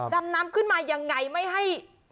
ดำน้ำขึ้นมายังไงไม่ให้